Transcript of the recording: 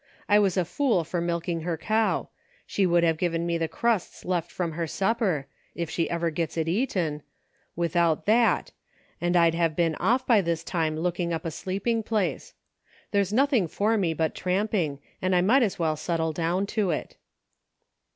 I was a fool for milking her cow ; she would have given me the crusts left from her sup per — if she ever gets it eaten — without that, and I'd have been off by this time looking up a sleep ing place. There's nothing for me but tramping, and I might as well settle down to it."